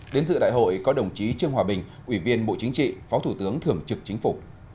đến dự đại hội có đồng chí trương hòa bình ủy viên bộ chính trị phó thủ tướng thường trực chính phủ